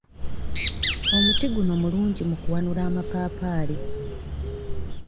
Omuti guno mulungi mu kuwanula amapaapaali.